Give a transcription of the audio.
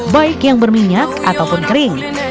baik yang berminyak ataupun kering